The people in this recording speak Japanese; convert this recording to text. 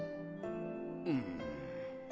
うん。